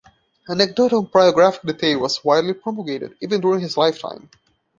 Anecdotal biographical detail was widely promulgated even during his lifetime.